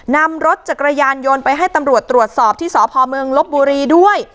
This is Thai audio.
นำรถจักรยานยนต์ไปให้ตำรวจตรวจสอบที่สพเมืองลบบุรีด้วย